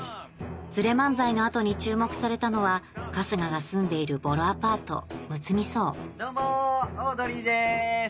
「ズレ漫才」の後に注目されたのは春日が住んでいるボロアパート・むつみ荘どうもオードリーです。